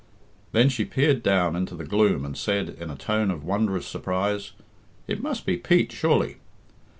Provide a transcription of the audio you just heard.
Then she peered down into the gloom and said, in a tone of wondrous surprise, "It must be Pete, surely."